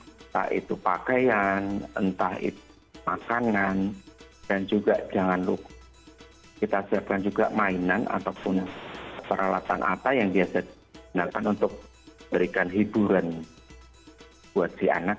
entah itu pakaian entah itu makanan dan juga jangan lupa kita siapkan juga mainan ataupun peralatan apa yang biasa digunakan untuk berikan hiburan buat si anak